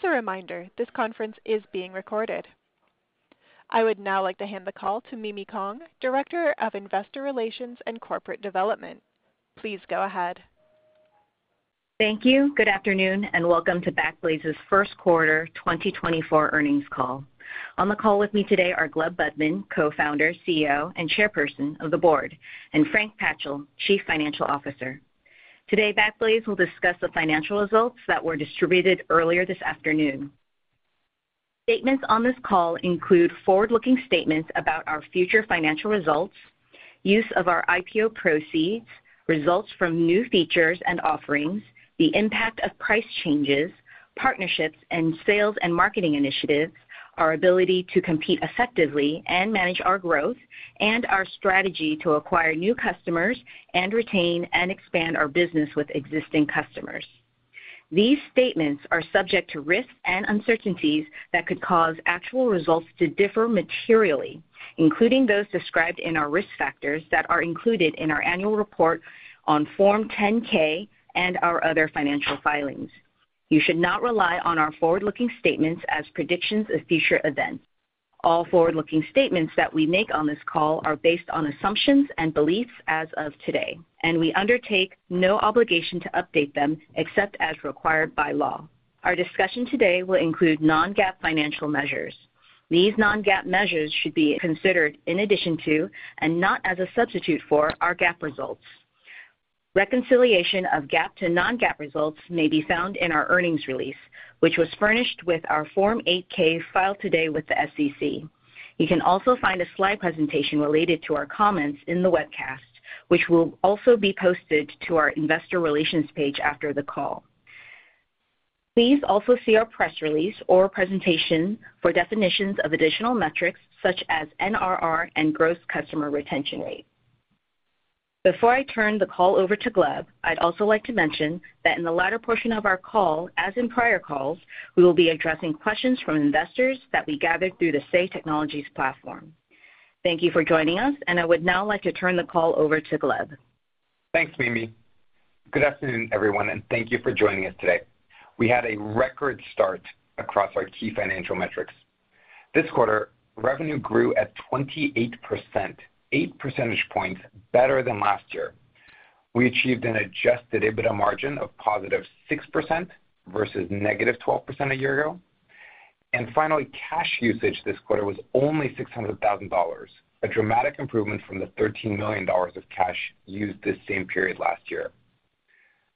Just a reminder, this conference is being recorded. I would now like to hand the call to Mimi Kong, Director of Investor Relations and Corporate Development. Please go ahead. Thank you. Good afternoon and welcome to Backblaze's first quarter 2024 earnings call. On the call with me today are Gleb Budman, Co-founder, CEO, and Chairperson of the Board, and Frank Patchel, Chief Financial Officer. Today Backblaze will discuss the financial results that were distributed earlier this afternoon. Statements on this call include forward-looking statements about our future financial results, use of our IPO proceeds, results from new features and offerings, the impact of price changes, partnerships and sales and marketing initiatives, our ability to compete effectively and manage our growth, and our strategy to acquire new customers and retain and expand our business with existing customers. These statements are subject to risks and uncertainties that could cause actual results to differ materially, including those described in our risk factors that are included in our annual report on Form 10-K and our other financial filings. You should not rely on our forward-looking statements as predictions of future events. All forward-looking statements that we make on this call are based on assumptions and beliefs as of today, and we undertake no obligation to update them except as required by law. Our discussion today will include non-GAAP financial measures. These non-GAAP measures should be considered in addition to and not as a substitute for our GAAP results. Reconciliation of GAAP to non-GAAP results may be found in our earnings release, which was furnished with our Form 8-K filed today with the SEC. You can also find a slide presentation related to our comments in the webcast, which will also be posted to our investor relations page after the call. Please also see our press release or presentation for definitions of additional metrics such as NRR and gross customer retention rate. Before I turn the call over to Gleb, I'd also like to mention that in the latter portion of our call, as in prior calls, we will be addressing questions from investors that we gathered through the Say Technologies platform. Thank you for joining us, and I would now like to turn the call over to Gleb. Thanks, Mimi. Good afternoon, everyone, and thank you for joining us today. We had a record start across our key financial metrics. This quarter, revenue grew at 28%, 8 percentage points better than last year. We achieved an Adjusted EBITDA margin of positive 6% versus negative 12% a year ago. And finally, cash usage this quarter was only $600,000, a dramatic improvement from the $13 million of cash used this same period last year.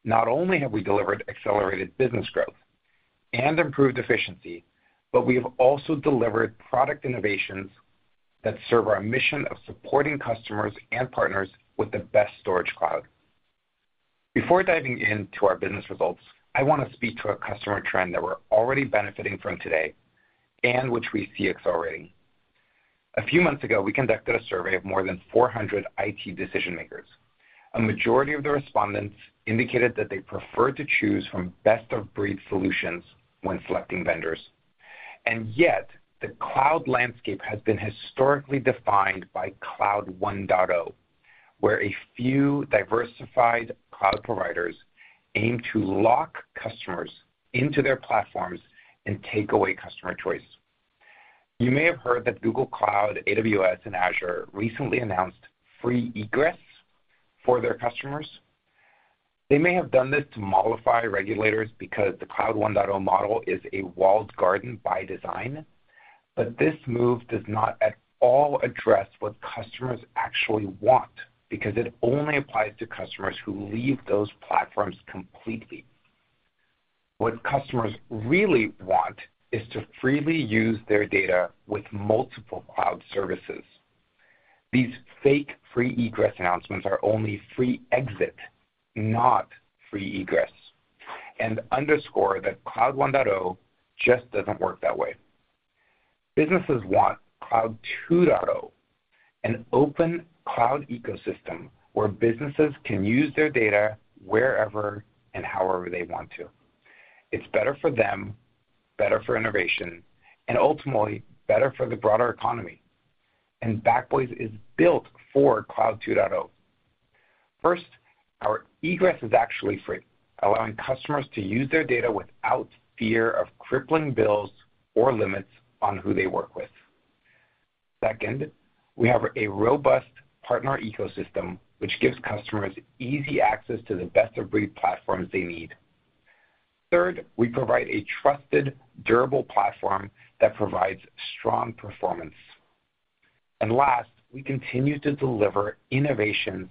Not only have we delivered accelerated business growth and improved efficiency, but we have also delivered product innovations that serve our mission of supporting customers and partners with the best storage cloud. Before diving into our business results, I want to speak to a customer trend that we're already benefiting from today and which we see accelerating. A few months ago, we conducted a survey of more than 400 IT decision-makers. A majority of the respondents indicated that they prefer to choose from best-of-breed solutions when selecting vendors. Yet, the cloud landscape has been historically defined by Cloud 1.0, where a few diversified cloud providers aim to lock customers into their platforms and take away customer choice. You may have heard that Google Cloud, AWS, and Azure recently announced free egress for their customers. They may have done this to mollify regulators because the Cloud 1.0 model is a walled garden by design, but this move does not at all address what customers actually want because it only applies to customers who leave those platforms completely. What customers really want is to freely use their data with multiple cloud services. These fake free egress announcements are only free exit, not free egress, and underscore that Cloud 1.0 just doesn't work that way. Businesses want Cloud 2.0, an open cloud ecosystem where businesses can use their data wherever and however they want to. It's better for them, better for innovation, and ultimately better for the broader economy. Backblaze is built for Cloud 2.0. First, our egress is actually free, allowing customers to use their data without fear of crippling bills or limits on who they work with. Second, we have a robust partner ecosystem, which gives customers easy access to the best-of-breed platforms they need. Third, we provide a trusted, durable platform that provides strong performance. Last, we continue to deliver innovations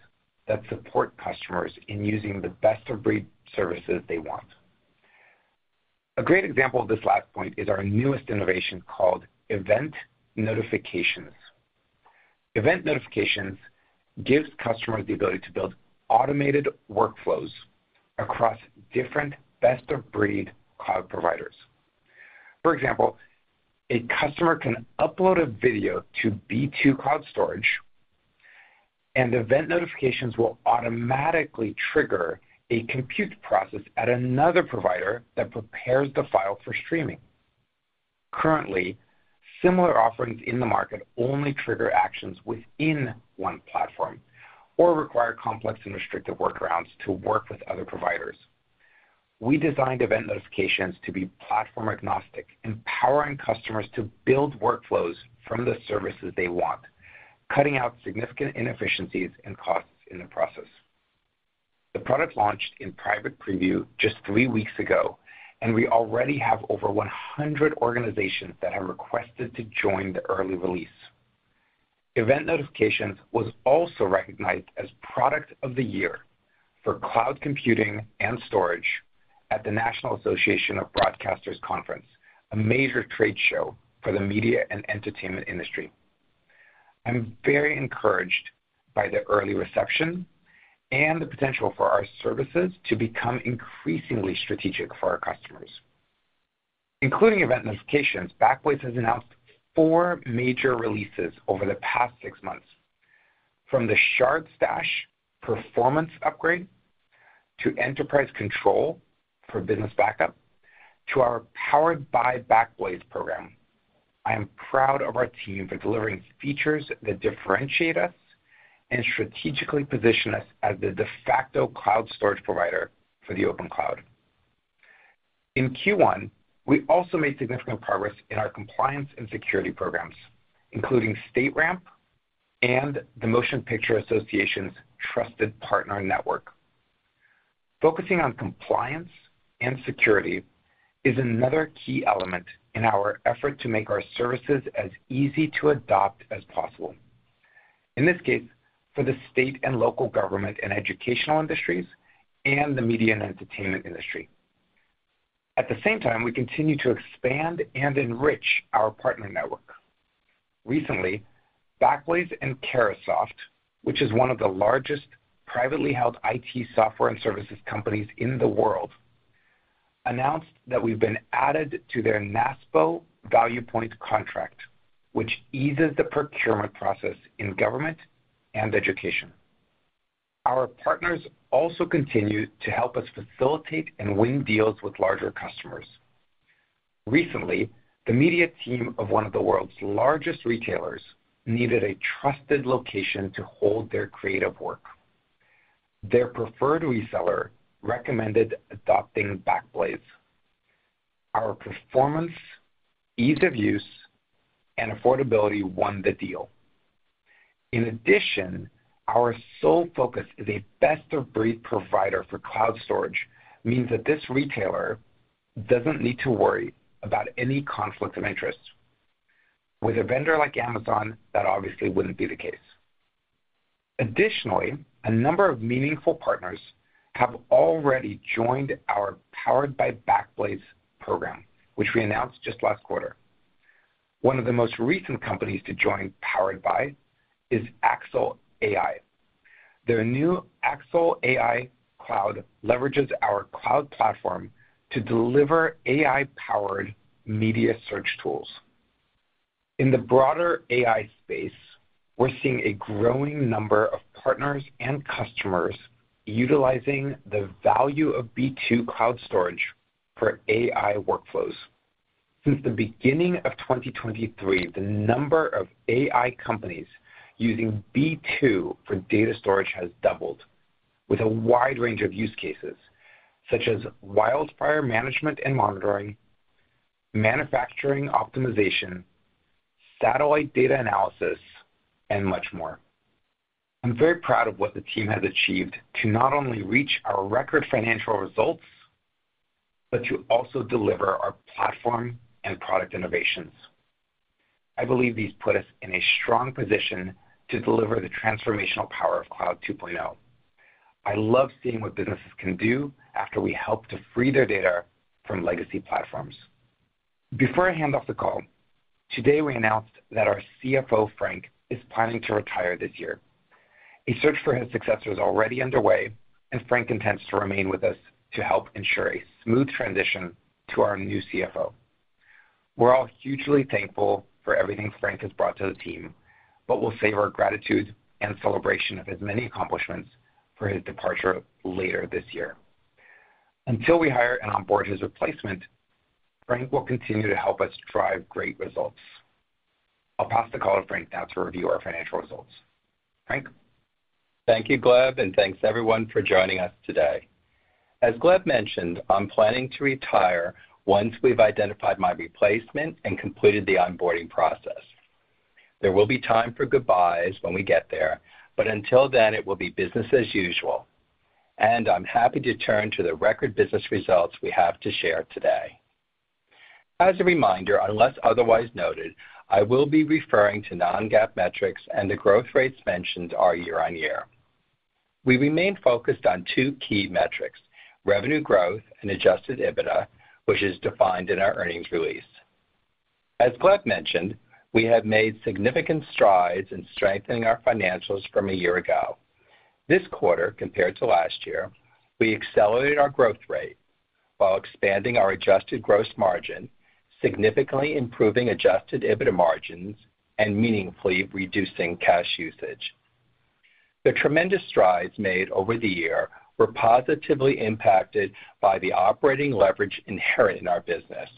that support customers in using the best-of-breed services they want. A great example of this last point is our newest innovation called Event Notifications. Event Notifications give customers the ability to build automated workflows across different best-of-breed cloud providers. For example, a customer can upload a video to B2 Cloud Storage, and Event Notifications will automatically trigger a compute process at another provider that prepares the file for streaming. Currently, similar offerings in the market only trigger actions within one platform or require complex and restrictive workarounds to work with other providers. We designed Event Notifications to be platform-agnostic, empowering customers to build workflows from the services they want, cutting out significant inefficiencies and costs in the process. The product launched in private preview just three weeks ago, and we already have over 100 organizations that have requested to join the early release. Event Notifications was also recognized as Product of the Year for cloud computing and storage at the National Association of Broadcasters Conference, a major trade show for the media and entertainment industry. I'm very encouraged by the early reception and the potential for our services to become increasingly strategic for our customers. Including Event Notifications, Backblaze has announced four major releases over the past six months, from the Shard Stash performance upgrade to Enterprise Control for business backup to our Powered by Backblaze program. I am proud of our team for delivering features that differentiate us and strategically position us as the de facto cloud storage provider for the open cloud. In Q1, we also made significant progress in our compliance and security programs, including StateRAMP and the Motion Picture Association's Trusted Partner Network. Focusing on compliance and security is another key element in our effort to make our services as easy to adopt as possible. In this case, for the state and local government and educational industries and the media and entertainment industry. At the same time, we continue to expand and enrich our partner network. Recently, Backblaze and Carahsoft, which is one of the largest privately held IT software and services companies in the world, announced that we've been added to their NASPO ValuePoint contract, which eases the procurement process in government and education. Our partners also continue to help us facilitate and win deals with larger customers. Recently, the media team of one of the world's largest retailers needed a trusted location to hold their creative work. Their preferred reseller recommended adopting Backblaze. Our performance, ease of use, and affordability won the deal. In addition, our sole focus as a best-of-breed provider for cloud storage means that this retailer doesn't need to worry about any conflicts of interest. With a vendor like Amazon, that obviously wouldn't be the case. Additionally, a number of meaningful partners have already joined our Powered by Backblaze program, which we announced just last quarter. One of the most recent companies to join Powered by is Axle AI Cloud. Their new Axle AI Cloud leverages our cloud platform to deliver AI-powered media search tools. In the broader AI space, we're seeing a growing number of partners and customers utilizing the value of B2 Cloud Storage for AI workflows. Since the beginning of 2023, the number of AI companies using B2 for data storage has doubled, with a wide range of use cases such as wildfire management and monitoring, manufacturing optimization, satellite data analysis, and much more. I'm very proud of what the team has achieved to not only reach our record financial results but to also deliver our platform and product innovations. I believe these put us in a strong position to deliver the transformational power of Cloud 2.0. I love seeing what businesses can do after we help to free their data from legacy platforms. Before I hand off the call, today we announced that our CFO, Frank, is planning to retire this year. A search for his successor is already underway, and Frank intends to remain with us to help ensure a smooth transition to our new CFO. We're all hugely thankful for everything Frank has brought to the team, but we'll save our gratitude and celebration of his many accomplishments for his departure later this year. Until we hire and onboard his replacement, Frank will continue to help us drive great results. I'll pass the call to Frank now to review our financial results. Frank? Thank you, Gleb, and thanks everyone for joining us today. As Gleb mentioned, I'm planning to retire once we've identified my replacement and completed the onboarding process. There will be time for goodbyes when we get there, but until then, it will be business as usual. I'm happy to turn to the record business results we have to share today. As a reminder, unless otherwise noted, I will be referring to non-GAAP metrics and the growth rates mentioned are year-on-year. We remain focused on two key metrics, revenue growth and adjusted EBITDA, which is defined in our earnings release. As Gleb mentioned, we have made significant strides in strengthening our financials from a year ago. This quarter, compared to last year, we accelerated our growth rate while expanding our adjusted gross margin, significantly improving adjusted EBITDA margins, and meaningfully reducing cash usage. The tremendous strides made over the year were positively impacted by the operating leverage inherent in our business.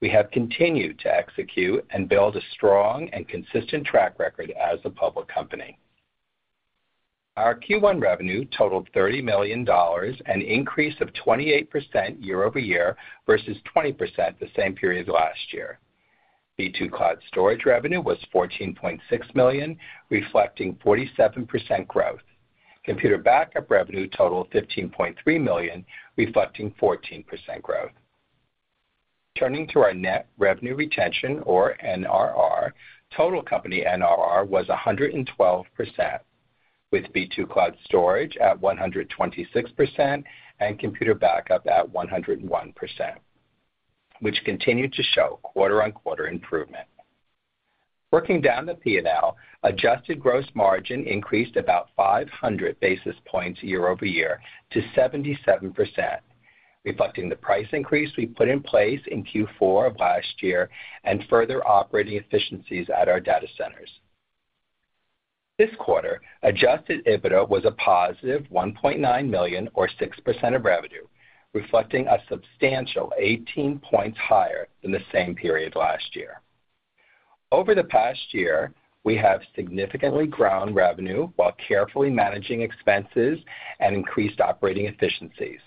We have continued to execute and build a strong and consistent track record as a public company. Our Q1 revenue totaled $30 million, an increase of 28% year-over-year versus 20% the same period last year. B2 Cloud Storage revenue was $14.6 million, reflecting 47% growth. Computer backup revenue totaled $15.3 million, reflecting 14% growth. Turning to our net revenue retention, or NRR, total company NRR was 112%, with B2 Cloud Storage at 126% and computer backup at 101%, which continue to show quarter-on-quarter improvement. Working down the P&L, adjusted gross margin increased about 500 basis points year-over-year to 77%, reflecting the price increase we put in place in Q4 of last year and further operating efficiencies at our data centers. This quarter, adjusted EBITDA was a positive $1.9 million, or 6%, of revenue, reflecting a substantial 18 points higher than the same period last year. Over the past year, we have significantly grown revenue while carefully managing expenses and increased operating efficiencies.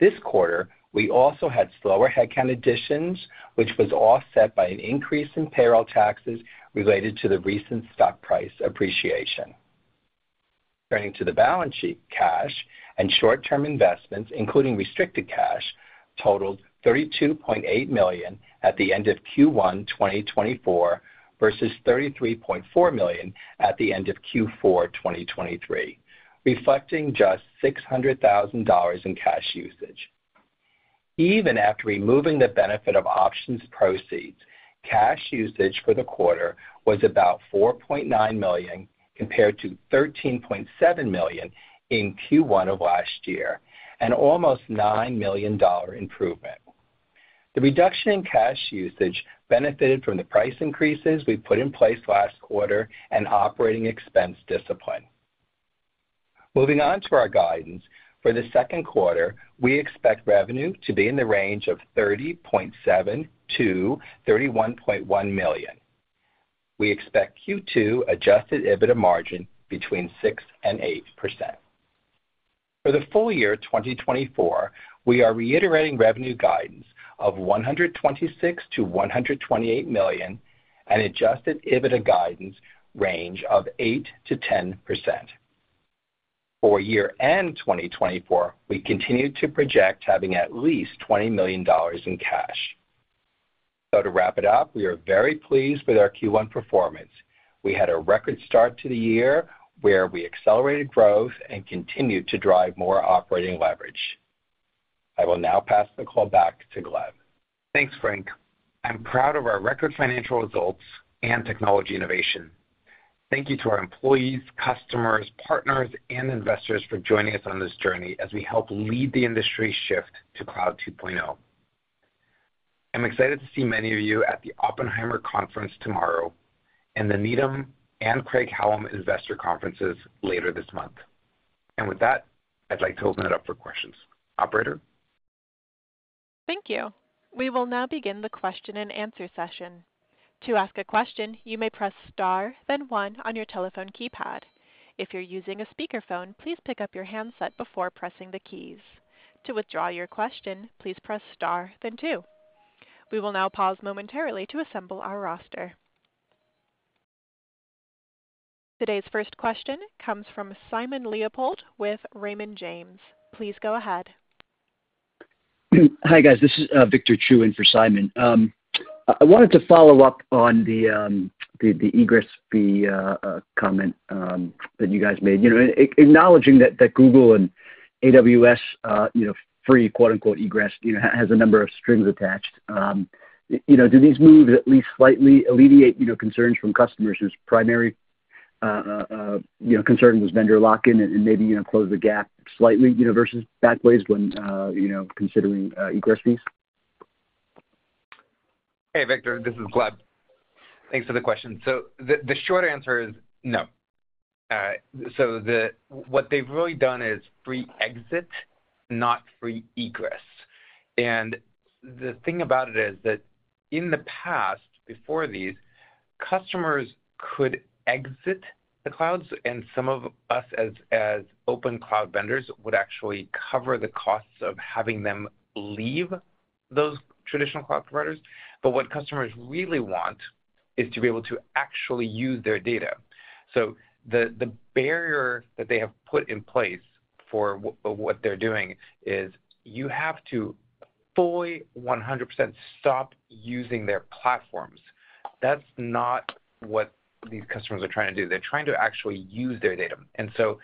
This quarter, we also had slower headcount additions, which was offset by an increase in payroll taxes related to the recent stock price appreciation. Turning to the balance sheet, cash and short-term investments, including restricted cash, totaled $32.8 million at the end of Q1 2024 versus $33.4 million at the end of Q4 2023, reflecting just $600,000 in cash usage. Even after removing the benefit of options proceeds, cash usage for the quarter was about $4.9 million compared to $13.7 million in Q1 of last year, an almost $9 million improvement. The reduction in cash usage benefited from the price increases we put in place last quarter and operating expense discipline. Moving on to our guidance, for the second quarter, we expect revenue to be in the range of $30.7 million-$31.1 million. We expect Q2 adjusted EBITDA margin between 6% and 8%. For the full year 2024, we are reiterating revenue guidance of $126 million-$128 million and adjusted EBITDA guidance range of 8%-10%. For year-end 2024, we continue to project having at least $20 million in cash. So to wrap it up, we are very pleased with our Q1 performance. We had a record start to the year where we accelerated growth and continued to drive more operating leverage. I will now pass the call back to Gleb. Thanks, Frank. I'm proud of our record financial results and technology innovation. Thank you to our employees, customers, partners, and investors for joining us on this journey as we help lead the industry shift to Cloud 2.0. I'm excited to see many of you at the Oppenheimer Conference tomorrow and the Needham and Craig-Hallum Investor Conferences later this month. And with that, I'd like to open it up for questions. Operator? Thank you. We will now begin the question and answer session. To ask a question, you may press star, then one, on your telephone keypad. If you're using a speakerphone, please pick up your handset before pressing the keys. To withdraw your question, please press star, then two. We will now pause momentarily to assemble our roster. Today's first question comes from Simon Leopold with Raymond James. Please go ahead. Hi, guys. This is Victor Chiu for Simon. I wanted to follow up on the egress fee comment that you guys made, acknowledging that Google and AWS free, quote-unquote, egress has a number of strings attached. Do these moves at least slightly alleviate concerns from customers whose primary concern was vendor lock-in and maybe close the gap slightly versus Backblaze when considering egress fees? Hey, Victor. This is Gleb. Thanks for the question. So the short answer is no. So what they've really done is free exit, not free egress. And the thing about it is that in the past, before these, customers could exit the clouds, and some of us as open cloud vendors would actually cover the costs of having them leave those traditional cloud providers. But what customers really want is to be able to actually use their data. So the barrier that they have put in place for what they're doing is you have to fully, 100%, stop using their platforms. That's not what these customers are trying to do. They're trying to actually use their data. And so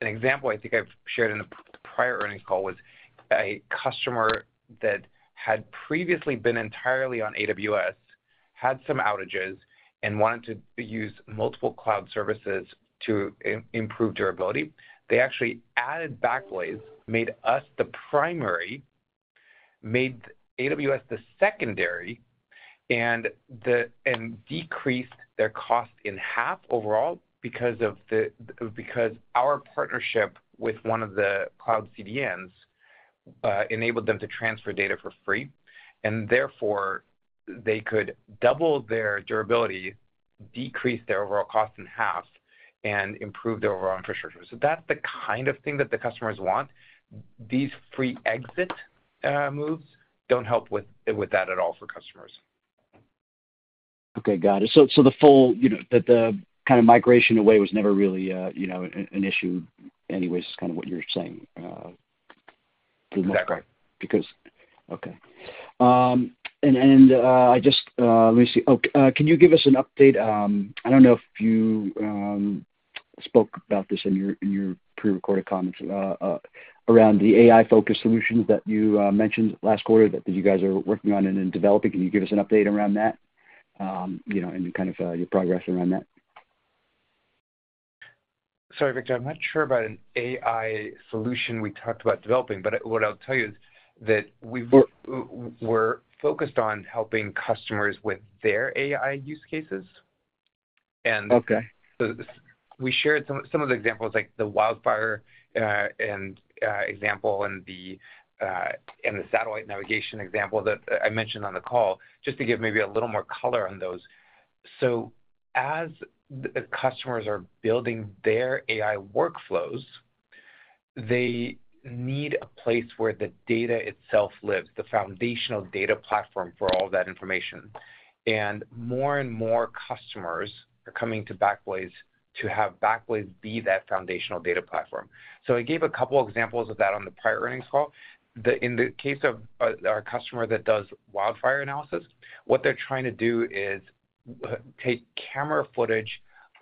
an example I think I've shared in the prior earnings call was a customer that had previously been entirely on AWS, had some outages, and wanted to use multiple cloud services to improve durability. They actually added Backblaze, made us the primary, made AWS the secondary, and decreased their cost in half overall because our partnership with one of the cloud CDNs enabled them to transfer data for free. And therefore, they could double their durability, decrease their overall cost in half, and improve their overall infrastructure. So that's the kind of thing that the customers want. These free egress moves don't help with that at all for customers. Okay. Got it. So the fact that the kind of migration away was never really an issue anyways, is kind of what you're saying for the most part? Correct. Okay. Oh, can you give us an update? I don't know if you spoke about this in your prerecorded comments around the AI-focused solutions that you mentioned last quarter that you guys are working on and developing. Can you give us an update around that and kind of your progress around that? Sorry, Victor. I'm not sure about an AI solution we talked about developing. But what I'll tell you is that we're focused on helping customers with their AI use cases. And we shared some of the examples, like the wildfire example and the satellite navigation example that I mentioned on the call, just to give maybe a little more color on those. So as customers are building their AI workflows, they need a place where the data itself lives, the foundational data platform for all of that information. And more and more customers are coming to Backblaze to have Backblaze be that foundational data platform. So I gave a couple of examples of that on the prior earnings call. In the case of our customer that does wildfire analysis, what they're trying to do is take camera footage,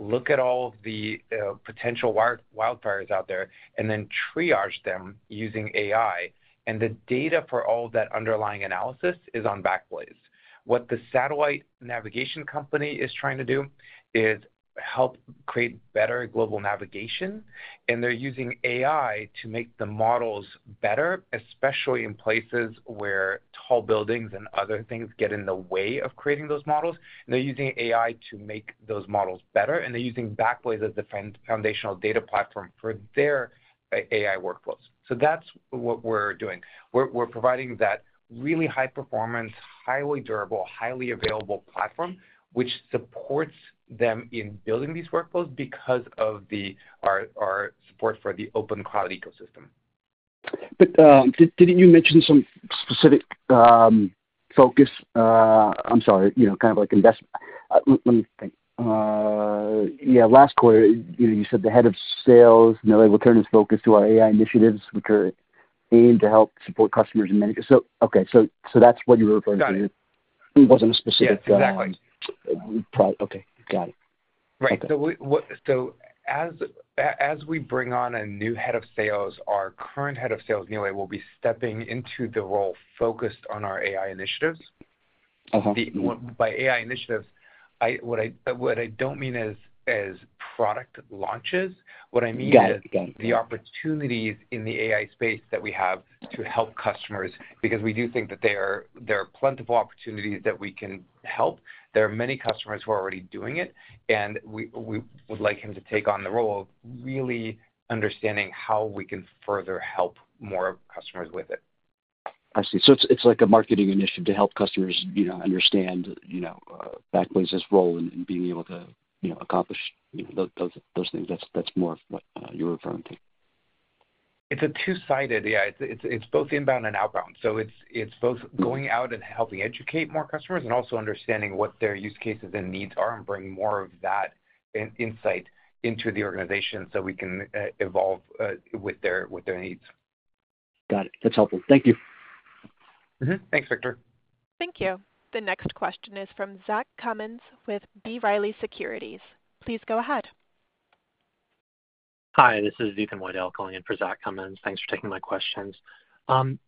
look at all of the potential wildfires out there, and then triage them using AI. The data for all of that underlying analysis is on Backblaze. What the satellite navigation company is trying to do is help create better global navigation. They're using AI to make the models better, especially in places where tall buildings and other things get in the way of creating those models. They're using AI to make those models better. They're using Backblaze as the foundational data platform for their AI workflows. So that's what we're doing. We're providing that really high-performance, highly durable, highly available platform, which supports them in building these workflows because of our support for the open cloud ecosystem. But didn't you mention some specific focus? I'm sorry, kind of like investment. Let me think. Yeah, last quarter, you said the head of sales, Nilay Patel, has focused to our AI initiatives, which are aimed to help support customers and managers. Okay. So that's what you were referring to. Got it. It wasn't a specific. Yeah. Exactly. Okay. Got it. Right. So as we bring on a new head of sales, our current head of sales, Nilay, will be stepping into the role focused on our AI initiatives. By AI initiatives, what I don't mean is product launches. What I mean is the opportunities in the AI space that we have to help customers because we do think that there are plentiful opportunities that we can help. There are many customers who are already doing it. And we would like him to take on the role of really understanding how we can further help more customers with it. I see. So it's like a marketing initiative to help customers understand Backblaze's role in being able to accomplish those things. That's more of what you're referring to. It's a two-sided. Yeah. It's both inbound and outbound. So it's both going out and helping educate more customers and also understanding what their use cases and needs are and bring more of that insight into the organization so we can evolve with their needs. Got it. That's helpful. Thank you. Thanks, Victor. Thank you. The next question is from Zach Cummins with B. Riley Securities. Please go ahead. Hi. This is Ethan Widell calling in for Zach Cummins. Thanks for taking my questions. To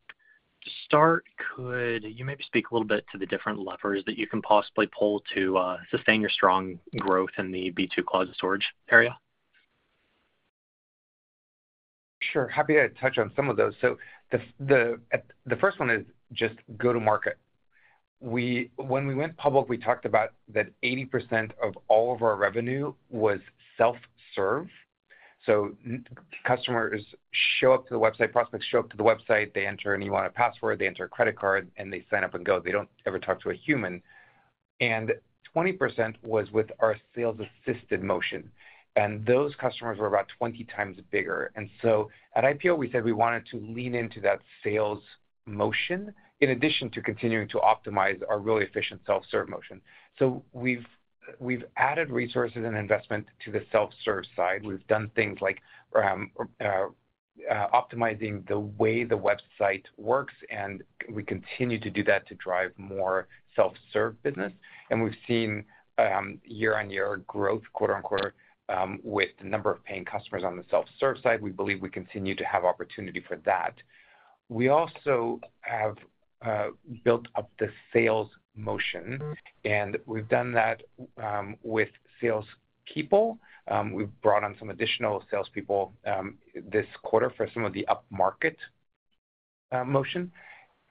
start, could you maybe speak a little bit to the different levers that you can possibly pull to sustain your strong growth in the B2 Cloud Storage area? Sure. Happy to touch on some of those. So the first one is just go-to-market. When we went public, we talked about that 80% of all of our revenue was self-serve. So customers show up to the website, prospects show up to the website, they enter any one password, they enter a credit card, and they sign up and go. They don't ever talk to a human. And 20% was with our sales-assisted motion. And those customers were about 20 times bigger. And so at IPO, we said we wanted to lean into that sales motion in addition to continuing to optimize our really efficient self-serve motion. So we've added resources and investment to the self-serve side. We've done things like optimizing the way the website works. And we continue to do that to drive more self-serve business. We've seen year-on-year growth, quote-unquote, with the number of paying customers on the self-serve side. We believe we continue to have opportunity for that. We also have built up the sales motion. And we've done that with salespeople. We've brought on some additional salespeople this quarter for some of the upmarket motion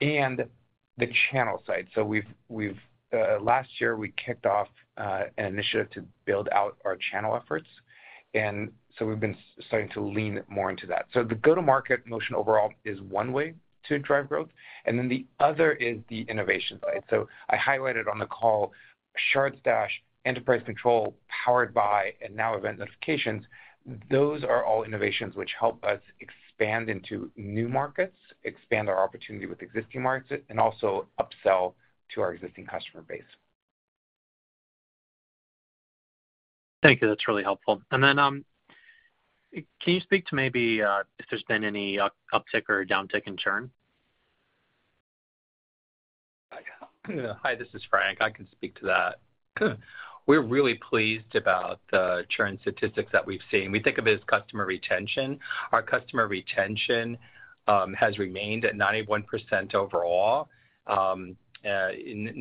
and the channel side. So last year, we kicked off an initiative to build out our channel efforts. And so we've been starting to lean more into that. So the go-to-market motion overall is one way to drive growth. And then the other is the innovation side. So I highlighted on the call Shard Stash, Enterprise Control, Powered by, and now Event Notifications. Those are all innovations which help us expand into new markets, expand our opportunity with existing markets, and also upsell to our existing customer base. Thank you. That's really helpful. And then can you speak to maybe if there's been any uptick or downtick in churn? Hi. This is Frank. I can speak to that. We're really pleased about the churn statistics that we've seen. We think of it as customer retention. Our customer retention has remained at 91% overall. And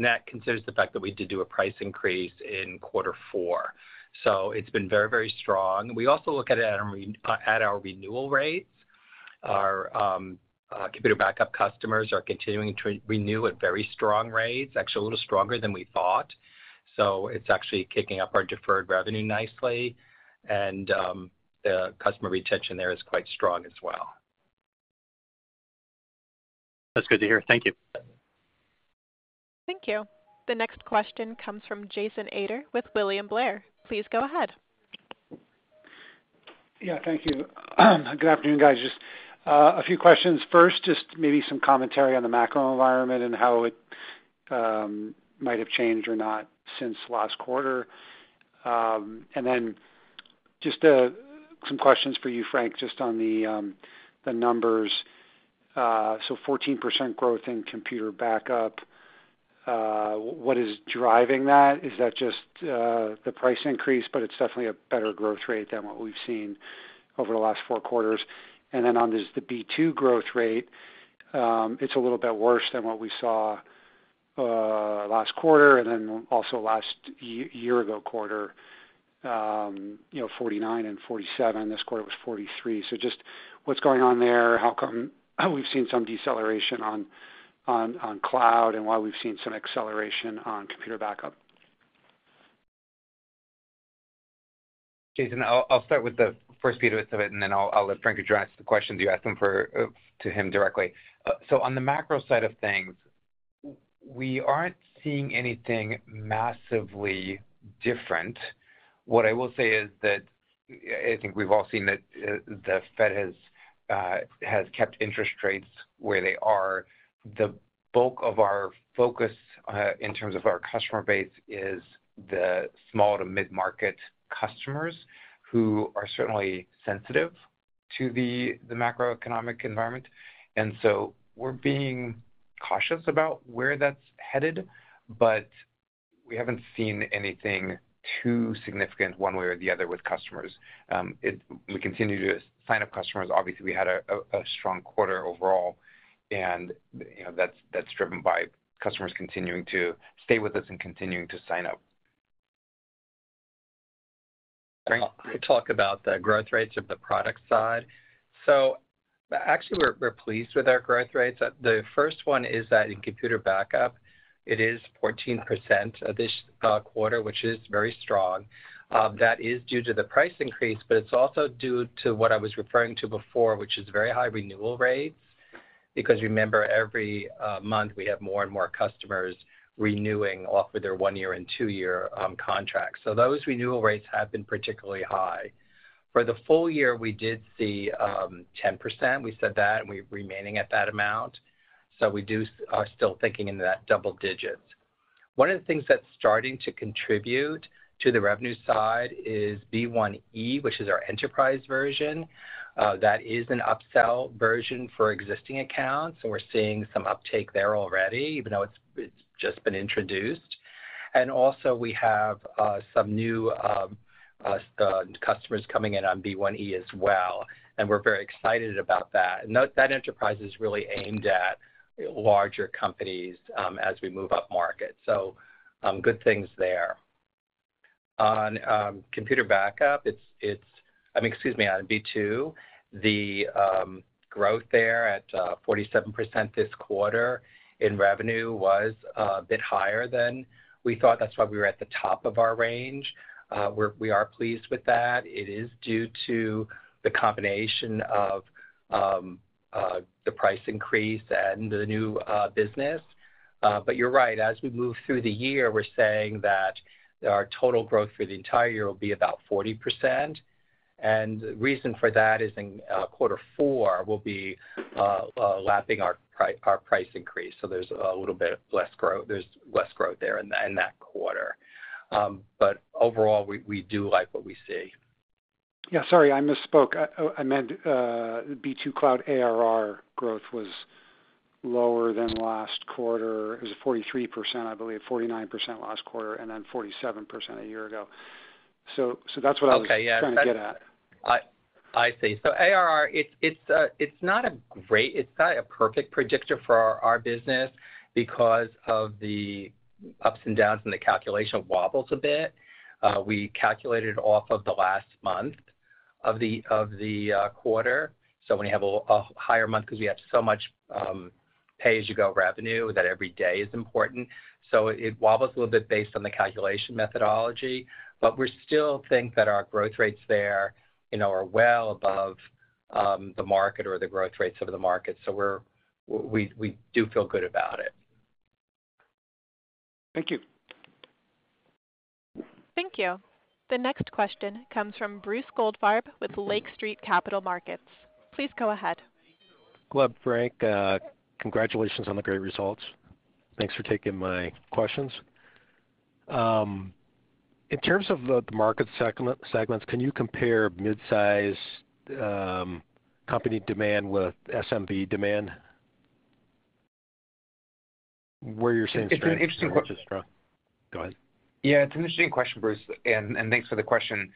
that considers the fact that we did do a price increase in quarter four. So it's been very, very strong. We also look at it at our renewal rates. Our computer backup customers are continuing to renew at very strong rates, actually a little stronger than we thought. So it's actually kicking up our deferred revenue nicely. And the customer retention there is quite strong as well. That's good to hear. Thank you. Thank you. The next question comes from Jason Ader with William Blair. Please go ahead. Yeah. Thank you. Good afternoon, guys. Just a few questions. First, just maybe some commentary on the macro environment and how it might have changed or not since last quarter. And then just some questions for you, Frank, just on the numbers. So 14% growth in computer backup. What is driving that? Is that just the price increase? But it's definitely a better growth rate than what we've seen over the last four quarters. And then on the B2 growth rate, it's a little bit worse than what we saw last quarter and then also last year-ago quarter, 49% and 47%. This quarter, it was 43%. So just what's going on there, how come we've seen some deceleration on cloud, and why we've seen some acceleration on computer backup? Jason, I'll start with the first piece of it, and then I'll let Frank address the questions you ask him for to him directly. So on the macro side of things, we aren't seeing anything massively different. What I will say is that I think we've all seen that the Fed has kept interest rates where they are. The bulk of our focus in terms of our customer base is the small to mid-market customers who are certainly sensitive to the macroeconomic environment. And so we're being cautious about where that's headed. But we haven't seen anything too significant one way or the other with customers. We continue to sign up customers. Obviously, we had a strong quarter overall. And that's driven by customers continuing to stay with us and continuing to sign up. Frank? I'll talk about the growth rates of the product side. So actually, we're pleased with our growth rates. The first one is that in computer backup, it is 14% this quarter, which is very strong. That is due to the price increase. But it's also due to what I was referring to before, which is very high renewal rates because remember, every month, we have more and more customers renewing off of their one-year and two-year contracts. So those renewal rates have been particularly high. For the full year, we did see 10%. We said that, and we're remaining at that amount. So we do are still thinking in that double digits. One of the things that's starting to contribute to the revenue side is B1E, which is our enterprise version. That is an upsell version for existing accounts. And we're seeing some uptake there already, even though it's just been introduced. Also, we have some new customers coming in on B2 as well. We're very excited about that. Note that enterprise is really aimed at larger companies as we move up market. Good things there. On computer backup, it's—I mean, excuse me—on B2, the growth there at 47% this quarter in revenue was a bit higher than we thought. That's why we were at the top of our range. We are pleased with that. It is due to the combination of the price increase and the new business. But you're right. As we move through the year, we're saying that our total growth for the entire year will be about 40%. And the reason for that is in quarter four, we'll be lapping our price increase. So there's a little bit less growth. There's less growth there in that quarter. But overall, we do like what we see. Yeah. Sorry. I misspoke. I meant B2 Cloud ARR growth was lower than last quarter. It was 43%, I believe, 49% last quarter, and then 47% a year ago. So that's what I was trying to get at. Okay. Yeah. I see. So ARR, it's not a great it's not a perfect predictor for our business because of the ups and downs in the calculation wobbles a bit. We calculated it off of the last month of the quarter. So when you have a higher month because we have so much pay-as-you-go revenue that every day is important. So it wobbles a little bit based on the calculation methodology. But we still think that our growth rates there are well above the market or the growth rates of the market. So we do feel good about it. Thank you. Thank you. The next question comes from Bruce Goldfarb with Lake Street Capital Markets. Please go ahead. Hello, Frank. Congratulations on the great results. Thanks for taking my questions. In terms of the market segments, can you compare midsize company demand with SMB demand? Where you're saying strength is strong. It's an interesting question. Go ahead. Yeah. It's an interesting question, Bruce. And thanks for the question.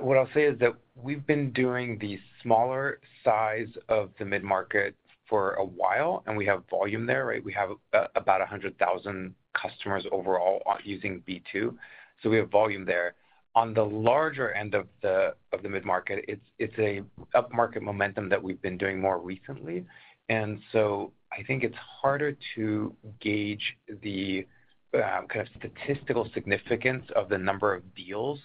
What I'll say is that we've been doing the smaller size of the mid-market for a while. And we have volume there, right? We have about 100,000 customers overall using B2. So we have volume there. On the larger end of the mid-market, it's an upmarket momentum that we've been doing more recently. And so I think it's harder to gauge the kind of statistical significance of the number of deals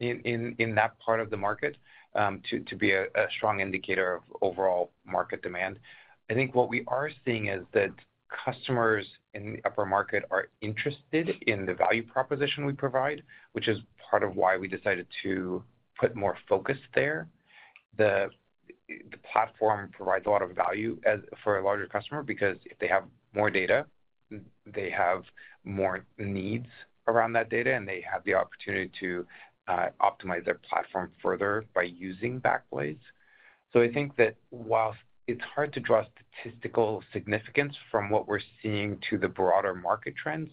in that part of the market to be a strong indicator of overall market demand. I think what we are seeing is that customers in the upper market are interested in the value proposition we provide, which is part of why we decided to put more focus there. The platform provides a lot of value for a larger customer because if they have more data, they have more needs around that data, and they have the opportunity to optimize their platform further by using Backblaze. So I think that while it's hard to draw statistical significance from what we're seeing to the broader market trends,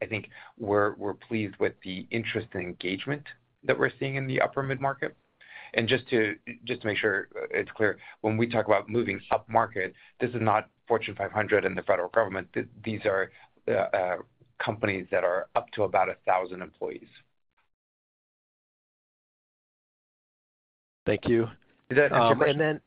I think we're pleased with the interest and engagement that we're seeing in the upper mid-market. And just to make sure it's clear, when we talk about moving up market, this is not Fortune 500 and the federal government. These are companies that are up to about 1,000 employees. Thank you. Is that interesting? And then.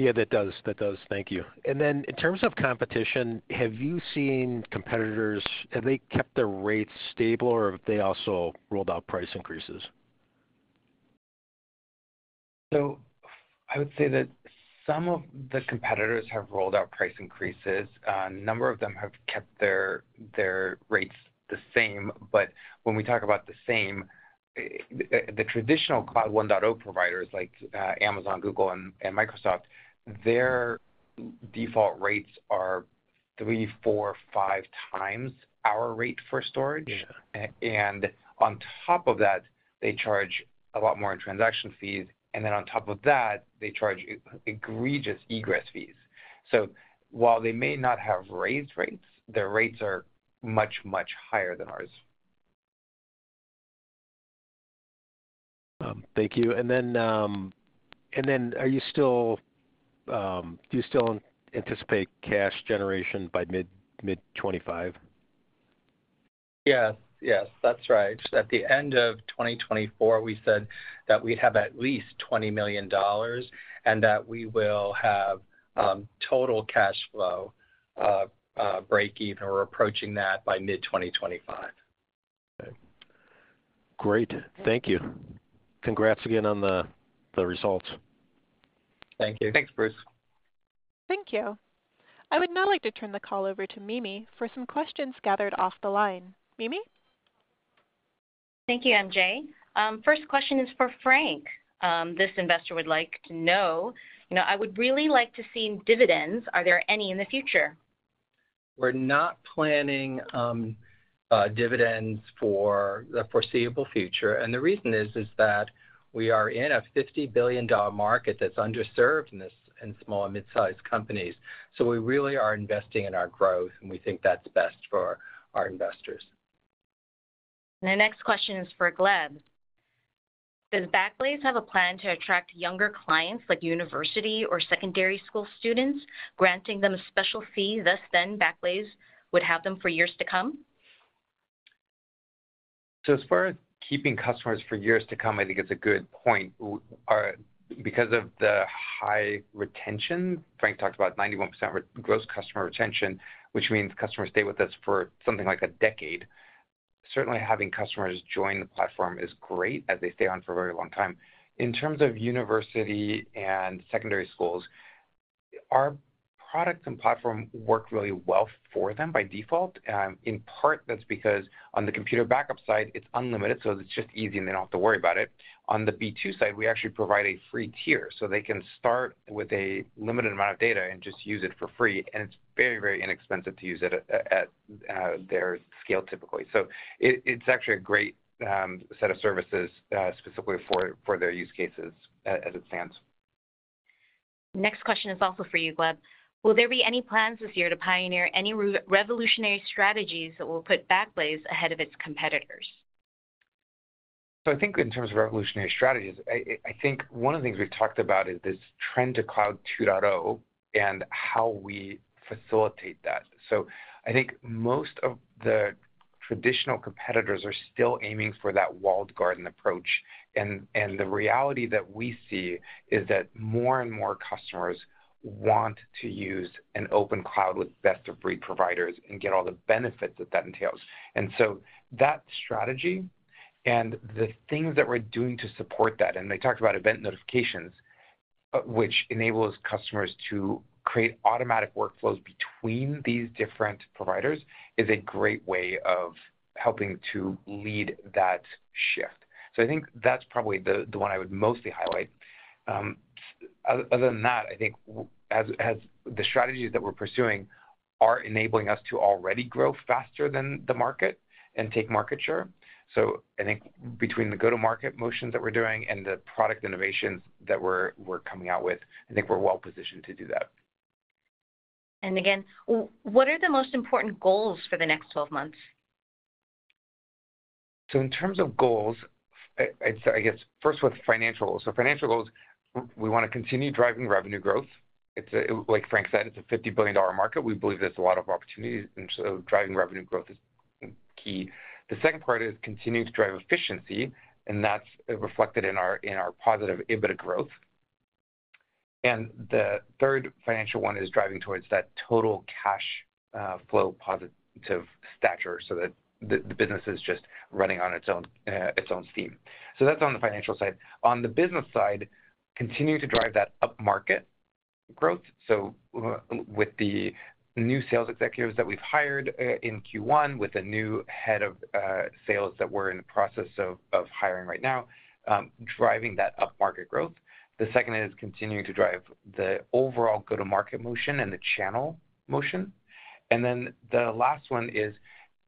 Yeah. That does. That does. Thank you. And then in terms of competition, have you seen competitors? Have they kept their rates stable, or have they also rolled out price increases? So I would say that some of the competitors have rolled out price increases. A number of them have kept their rates the same. But when we talk about the same, the traditional Cloud 1.0 providers like Amazon, Google, and Microsoft, their default rates are 3, 4, 5 times our rate for storage. And on top of that, they charge a lot more in transaction fees. And then on top of that, they charge egregious egress fees. So while they may not have raised rates, their rates are much, much higher than ours. Thank you. And then, do you still anticipate cash generation by mid-2025? Yes. Yes. That's right. At the end of 2024, we said that we'd have at least $20 million and that we will have total cash flow breakeven, or we're approaching that by mid-2025. Okay. Great. Thank you. Congrats again on the results. Thank you. Thanks, Bruce. Thank you. I would now like to turn the call over to Mimi for some questions gathered off the line. Mimi? Thank you, MJ. First question is for Frank. This investor would like to know, "I would really like to see dividends. Are there any in the future? We're not planning dividends for the foreseeable future. The reason is that we are in a $50 billion market that's underserved in small and midsize companies. We really are investing in our growth, and we think that's best for our investors. The next question is for Gleb. "Does Backblaze have a plan to attract younger clients like university or secondary school students, granting them a special fee thus then Backblaze would have them for years to come? So as far as keeping customers for years to come, I think it's a good point. Because of the high retention, Frank talked about 91% gross customer retention, which means customers stay with us for something like a decade, certainly having customers join the platform is great as they stay on for a very long time. In terms of university and secondary schools, our product and platform work really well for them by default. In part, that's because on the computer backup side, it's unlimited, so it's just easy, and they don't have to worry about it. On the B2 side, we actually provide a free tier so they can start with a limited amount of data and just use it for free. And it's very, very inexpensive to use it at their scale typically. It's actually a great set of services specifically for their use cases as it stands. Next question is also for you, Gleb. "Will there be any plans this year to pioneer any revolutionary strategies that will put Backblaze ahead of its competitors? So I think in terms of revolutionary strategies, I think one of the things we've talked about is this trend to Cloud 2.0 and how we facilitate that. So I think most of the traditional competitors are still aiming for that walled garden approach. And the reality that we see is that more and more customers want to use an open cloud with best-of-breed providers and get all the benefits that that entails. And so that strategy and the things that we're doing to support that, and they talked about event notifications, which enables customers to create automatic workflows between these different providers, is a great way of helping to lead that shift. So I think that's probably the one I would mostly highlight. Other than that, I think the strategies that we're pursuing are enabling us to already grow faster than the market and take market share. I think between the go-to-market motions that we're doing and the product innovations that we're coming out with, I think we're well-positioned to do that. Again, what are the most important goals for the next 12 months? So in terms of goals, I guess first with financial goals. So financial goals, we want to continue driving revenue growth. Like Frank said, it's a $50 billion market. We believe there's a lot of opportunities. And so driving revenue growth is key. The second part is continuing to drive efficiency. And that's reflected in our positive EBITDA growth. And the third financial one is driving towards that total cash flow positive status so that the business is just running on its own steam. So that's on the financial side. On the business side, continuing to drive that upmarket growth. So with the new sales executives that we've hired in Q1, with the new head of sales that we're in the process of hiring right now, driving that upmarket growth. The second is continuing to drive the overall go-to-market motion and the channel motion. And then the last one is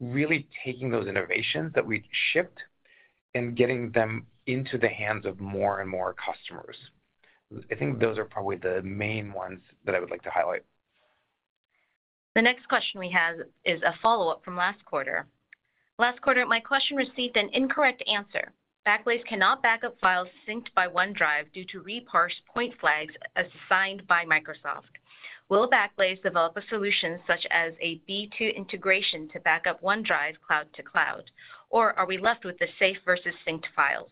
really taking those innovations that we shipped and getting them into the hands of more and more customers. I think those are probably the main ones that I would like to highlight. The next question we have is a follow-up from last quarter. "Last quarter, my question received an incorrect answer. Backblaze cannot backup files synced by OneDrive due to reparse point flags assigned by Microsoft. Will Backblaze develop a solution such as a B2 integration to backup OneDrive cloud to cloud? Or are we left with the safe versus synced files?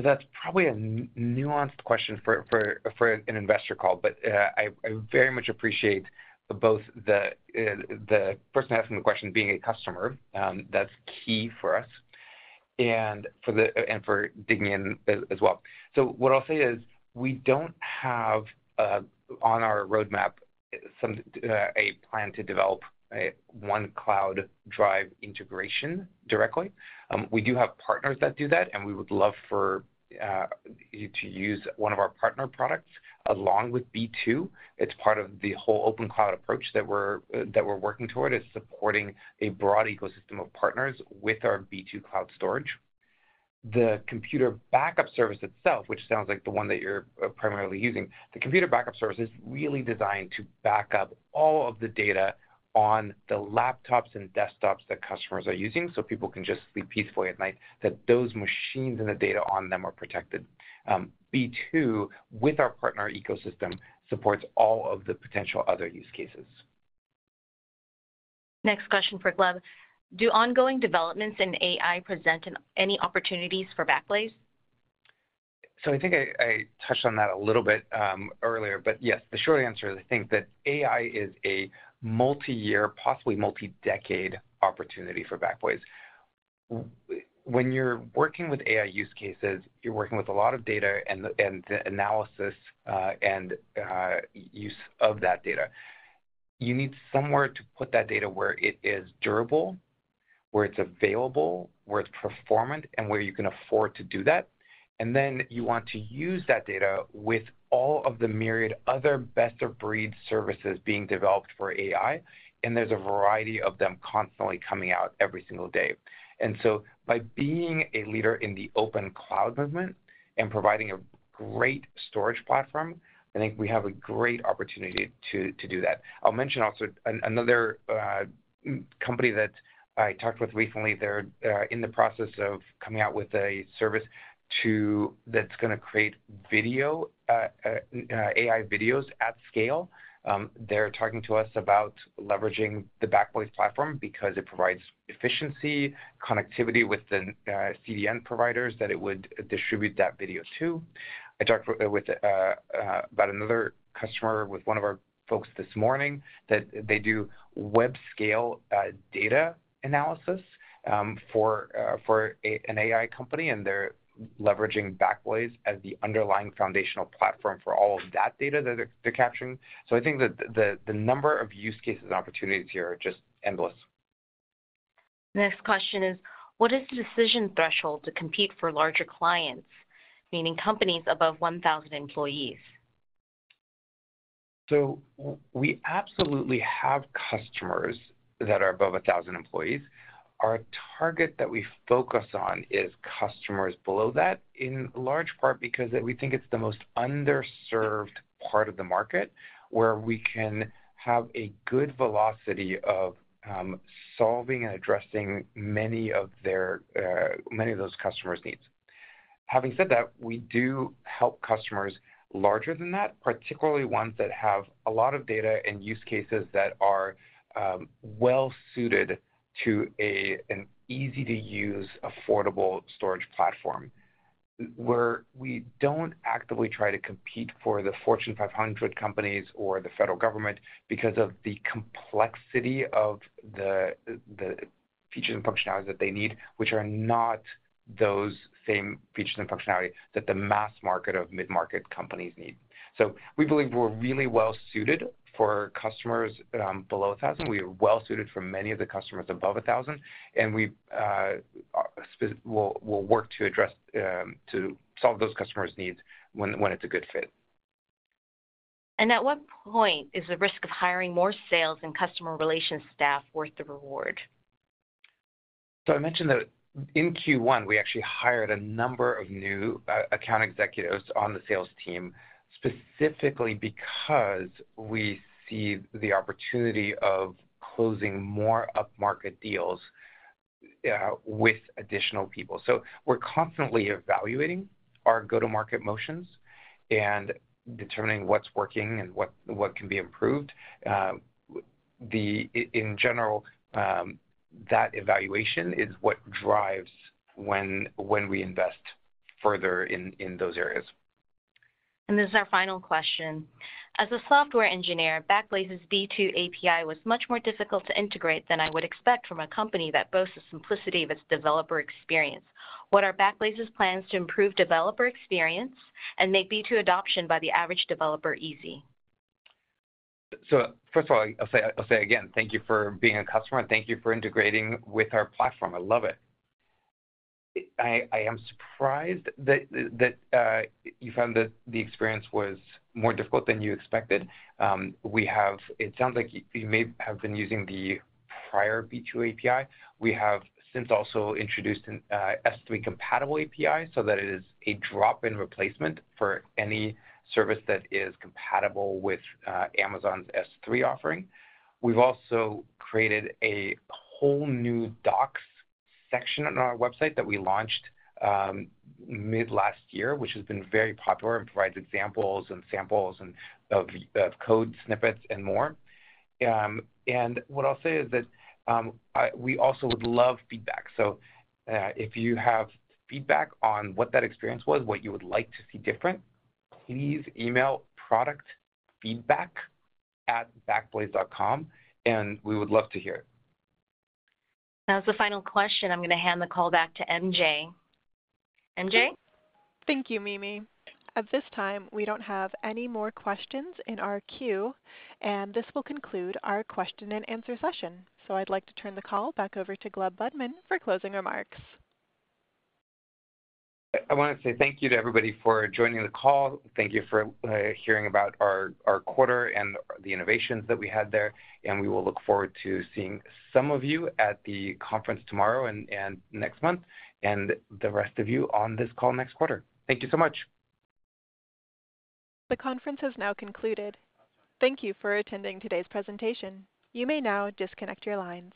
That's probably a nuanced question for an investor call. But I very much appreciate both the person asking the question being a customer. That's key for us and for digging in as well. So what I'll say is we don't have on our roadmap a plan to develop a OneDrive integration directly. We do have partners that do that, and we would love for you to use one of our partner products along with B2. It's part of the whole open cloud approach that we're working toward is supporting a broad ecosystem of partners with our B2 Cloud Storage. The computer backup service itself, which sounds like the one that you're primarily using, the computer backup service is really designed to back up all of the data on the laptops and desktops that customers are using so people can just sleep peacefully at night, that those machines and the data on them are protected. B2, with our partner ecosystem, supports all of the potential other use cases. Next question for Gleb. "Do ongoing developments in AI present any opportunities for Backblaze? So I think I touched on that a little bit earlier. But yes, the short answer is I think that AI is a multi-year, possibly multi-decade opportunity for Backblaze. When you're working with AI use cases, you're working with a lot of data and the analysis and use of that data. You need somewhere to put that data where it is durable, where it's available, where it's performant, and where you can afford to do that. And then you want to use that data with all of the myriad other best-of-breed services being developed for AI. And there's a variety of them constantly coming out every single day. And so by being a leader in the open cloud movement and providing a great storage platform, I think we have a great opportunity to do that. I'll mention also another company that I talked with recently. They're in the process of coming out with a service that's going to create AI videos at scale. They're talking to us about leveraging the Backblaze platform because it provides efficiency, connectivity with the CDN providers that it would distribute that video to. I talked about another customer with one of our folks this morning that they do web-scale data analysis for an AI company, and they're leveraging Backblaze as the underlying foundational platform for all of that data that they're capturing. So I think that the number of use cases and opportunities here are just endless. Next question is, "What is the decision threshold to compete for larger clients, meaning companies above 1,000 employees? So we absolutely have customers that are above 1,000 employees. Our target that we focus on is customers below that in large part because we think it's the most underserved part of the market where we can have a good velocity of solving and addressing many of those customers' needs. Having said that, we do help customers larger than that, particularly ones that have a lot of data and use cases that are well-suited to an easy-to-use, affordable storage platform. We don't actively try to compete for the Fortune 500 companies or the federal government because of the complexity of the features and functionalities that they need, which are not those same features and functionality that the mass market of mid-market companies need. So we believe we're really well-suited for customers below 1,000. We are well-suited for many of the customers above 1,000. We'll work to solve those customers' needs when it's a good fit. At what point is the risk of hiring more sales and customer relations staff worth the reward? I mentioned that in Q1, we actually hired a number of new account executives on the sales team specifically because we see the opportunity of closing more upmarket deals with additional people. We're constantly evaluating our go-to-market motions and determining what's working and what can be improved. In general, that evaluation is what drives when we invest further in those areas. This is our final question. "As a software engineer, Backblaze's B2 API was much more difficult to integrate than I would expect from a company that boasts the simplicity of its developer experience. What are Backblaze's plans to improve developer experience and make B2 adoption by the average developer easy? First of all, I'll say again, thank you for being a customer. Thank you for integrating with our platform. I love it. I am surprised that you found that the experience was more difficult than you expected. It sounds like you may have been using the prior B2 API. We have since also introduced an S3-compatible API so that it is a drop-in replacement for any service that is compatible with Amazon's S3 offering. We've also created a whole new docs section on our website that we launched mid-last year, which has been very popular and provides examples and samples of code snippets and more. And what I'll say is that we also would love feedback. So if you have feedback on what that experience was, what you would like to see different, please email productfeedback@backblaze.com. And we would love to hear it. Now, as a final question, I'm going to hand the call back to MJ. MJ? Thank you, Mimi. At this time, we don't have any more questions in our queue. This will conclude our question-and-answer session. I'd like to turn the call back over to Gleb Budman for closing remarks. I want to say thank you to everybody for joining the call. Thank you for hearing about our quarter and the innovations that we had there. We will look forward to seeing some of you at the conference tomorrow and next month and the rest of you on this call next quarter. Thank you so much. The conference has now concluded. Thank you for attending today's presentation. You may now disconnect your lines.